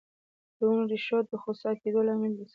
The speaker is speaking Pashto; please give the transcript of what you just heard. د ونو د ریښو د خوسا کیدو لامل څه دی؟